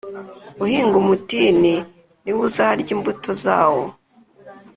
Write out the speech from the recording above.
uhinga umutini ni we uzarya imbuto zawo